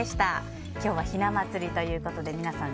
今日はひな祭りということで皆さん